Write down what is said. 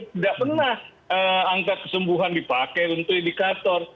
tidak pernah angka kesembuhan dipakai untuk indikator